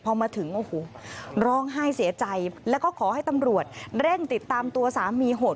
พอมาถึงโอ้โหร้องไห้เสียใจแล้วก็ขอให้ตำรวจเร่งติดตามตัวสามีโหด